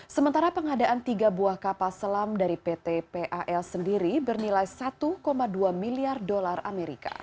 sementara pengadaan tiga buah kapal selam dari pt pal sendiri bernilai satu dua miliar dolar amerika